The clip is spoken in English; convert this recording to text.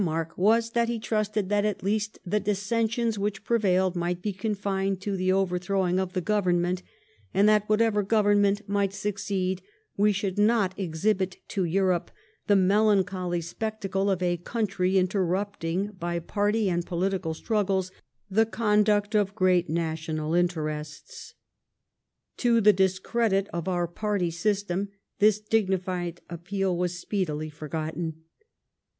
mark was that he trusted that at least the dissensions which prevailed might be confined to the oyerthrowing of the Government; and that whatever Government might sncceed, we should not exhibit to Europe the melancholy spectacle of a country interrupting by party and political struggles the conduct of great national interests. To the discredit of our party system thia dignified appeal was speedily forgotten.